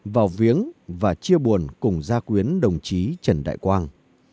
vào viếng và chia buồn cùng gia quyến đồng chí trần đại quang